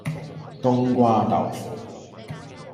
冬瓜豆腐